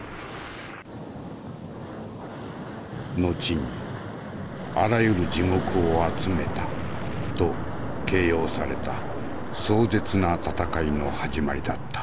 後に「あらゆる地獄を集めた」と形容された壮絶な戦いの始まりだった。